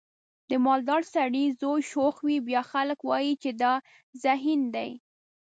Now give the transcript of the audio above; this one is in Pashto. د مالدار سړي زوی شوخ وي بیا خلک وایي چې دا ذهین دی.